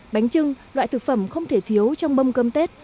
bánh trưng loại thực phẩm không thể thiếu trong mâm cơm tết